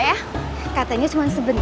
pak ei atau enggak